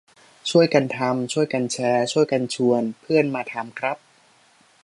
ช่วยกันทำ ช่วยกันแชร์ ช่วยกันชวนเพื่อนมาทำครับ